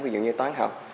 ví dụ như toán học